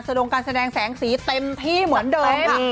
ลงการแสดงแสงสีเต็มที่เหมือนเดิมค่ะ